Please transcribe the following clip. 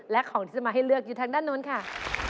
และของที่จะมาให้เลือกอยู่ทางด้านนู้นค่ะ